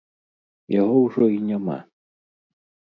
Яго ўжо і няма!